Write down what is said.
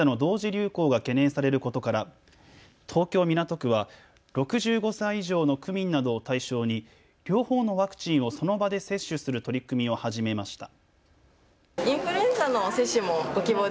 流行が懸念されることから東京港区は６５歳以上の区民などを対象に両方のワクチンをその場で接種する取り組みを始めました。